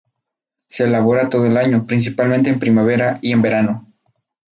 Se elabora todo el año, principalmente en primavera y en verano.